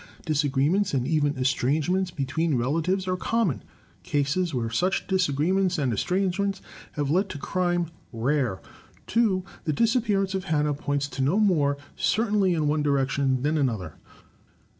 Disagreements and even estrangements between relatives are common. Cases where such disagreements and estrangements have led to crime, rare. 2. The disappearance of Hannah points no more certainly in one direction than another.